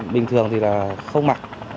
bình thường thì là không mặc